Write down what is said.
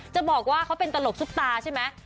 จะบอกว่าเขาเป็นตลกซุปตาใช่ไหม